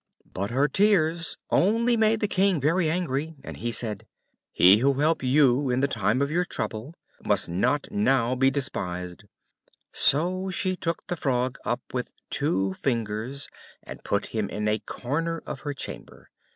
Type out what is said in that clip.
But her tears only made the King very angry, and he said, "He who helped you in the time of your trouble, must not now be despised!" So she took the Frog up with two fingers, and put him in a corner of her chamber.